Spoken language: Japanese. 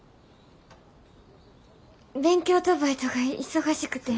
勉強とバイトが忙しくて。